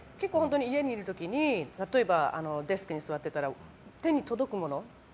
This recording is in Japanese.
家にいる時に例えばデスクに座っていたら手に届くもの